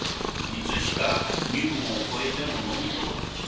いつしか身分を越えての飲み友達。